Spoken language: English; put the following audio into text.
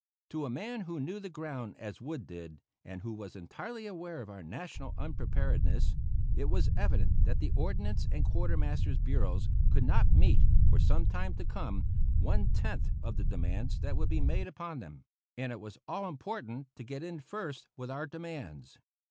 To a man who knew the ground as Wood did, and who was entirely aware of our national unpreparedness, it was evident that the ordnance and quartermaster's bureaus could not meet, for some time to come, one tenth of the demands that would be made upon them; and it was all important to get in first with our demands.